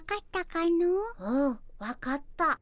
うん分かった。